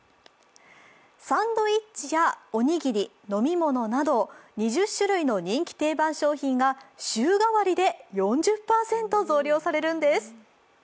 サンドイッチやおにぎり、飲み物など２０種類の人気定番商品が週替わりで４０％増量されるんです。